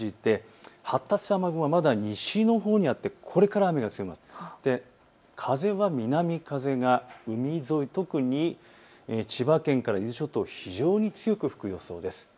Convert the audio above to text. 発達した雨雲はまだ西のほうにあってこれから雨が強くなって風は南風が海沿い、特に千葉県から伊豆諸島、非常に強く吹く予想です。